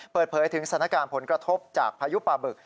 เปิดเผยถึงสถานการณ์ผลกระทบจากพายุปลาบึก